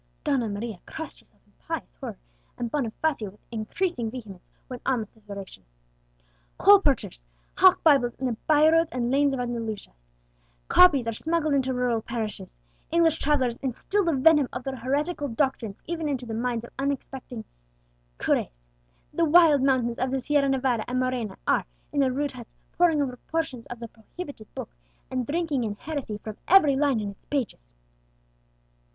Donna Maria crossed herself in pious horror; and Bonifacio, with increasing vehemence, went on with his oration. "Colporteurs hawk Bibles in the by roads and lanes of Andalusia; copies are smuggled into rural parishes; English travellers instil the venom of their heretical doctrines even into the minds of unsuspecting curés! The wild mountaineers of the Sierra Nevada and Morena are, in their rude huts, poring over portions of the prohibited Book, and drinking in heresy from every line in its pages!"